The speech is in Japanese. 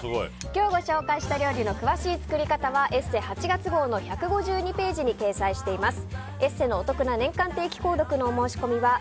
今日ご紹介した料理の詳しい作り方は「ＥＳＳＥ」８月号の１５２ページに掲載しています。